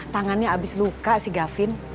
tangannya habis luka si gavin